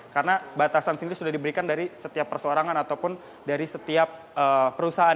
karena batasan sendiri sudah diberikan dari setiap persorangan ataupun dari setiap perusahaan